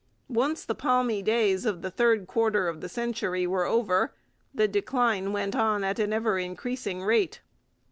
Once the palmy days of the third quarter of the century were over the decline went on at an ever increasing rate.